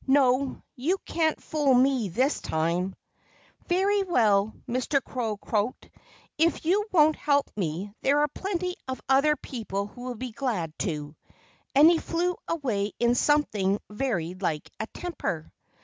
No! You can't fool me this time!" "Very well!" Mr. Crow croaked. "If you won't help me, there are plenty of other people who'll be glad to." And he flew away in something very like a temper.